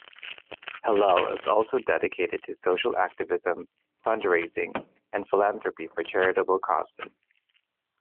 Hillel is also dedicated to social activism, fundraising, and philanthropy for charitable causes.